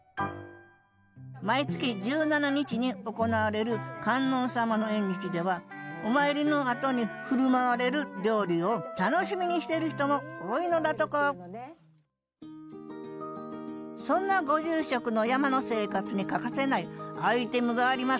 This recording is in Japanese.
毎月１７日に行われる観音様の縁日ではお参りのあとに振る舞われる料理を楽しみにしている人も多いのだとかそんなご住職の山の生活に欠かせないアイテムがあります。